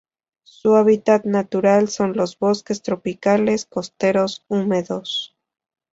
Su hábitat natural son los bosques tropicales costeros húmedos.